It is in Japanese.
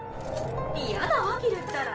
嫌だわギルったら。